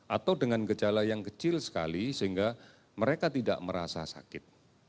atau dengan gejala yang kecil sekali sehingga mereka tidak merasa sakit